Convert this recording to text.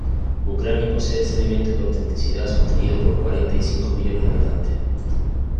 Ucrania posee ese elemento de autenticidad, sostenido por cuarenta y cinco millones de habitantes.